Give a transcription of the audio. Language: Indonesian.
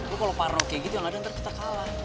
lo kalau parno kayak gitu yang ada ntar kita kalah